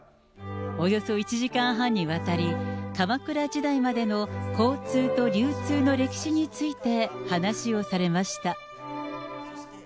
およそ１時間半にわたり、鎌倉時代までの交通と流通の歴史について話をされました。